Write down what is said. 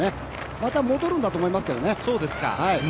また戻るんだと思いますけどね。